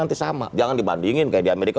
nanti sama jangan dibandingin kayak di amerika